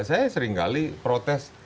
saya sering kali protes